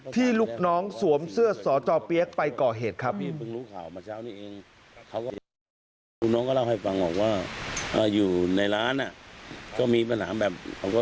ลูกน้องสวมเสื้อสจเปี๊ยกไปก่อเหตุครับ